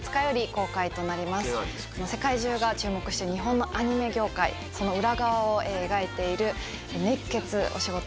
世界中が注目している日本のアニメ業界その裏側を描いている熱血お仕事